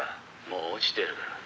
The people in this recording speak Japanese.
「もう落ちてる」